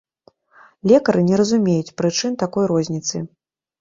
Лекары не разумеюць прычын такой розніцы.